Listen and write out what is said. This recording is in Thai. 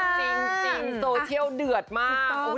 จริงโซเชียลเดือดมาก